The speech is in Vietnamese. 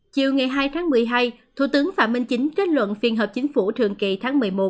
chiều ngày hai tháng một mươi hai thủ tướng phạm minh chính kết luận phiên họp chính phủ thường kỳ tháng một mươi một